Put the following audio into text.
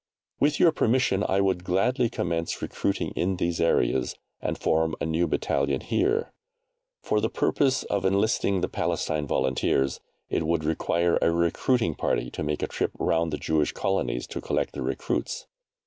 With your permission I would gladly commence recruiting in these areas, and form a new battalion here. For the purpose of enlisting the Palestine volunteers, it would require a recruiting party to make a trip round the Jewish colonies to collect the recruits.